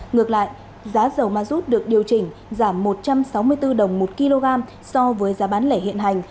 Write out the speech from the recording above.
ngược lại giá dầu ma rút được điều chỉnh giảm một trăm sáu mươi bốn đồng một kg so với giá bán lẻ hiện hành